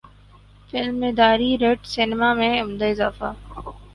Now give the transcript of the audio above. film Madaari رٹ cinema میں عمدہ اضافہ